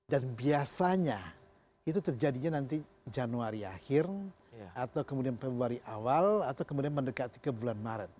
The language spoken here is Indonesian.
dan biasanya itu terjadinya nanti januari akhir atau kemudian februari awal atau kemudian mendekati ke bulan maret